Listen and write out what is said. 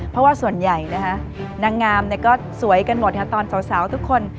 เพราะว่าส่วนใหญ่นะคะนางงามก็สวยกันหมดตอนสาวทุกคน